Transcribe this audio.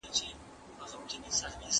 موږ بايد د مظلوم ملاتړ وکړو.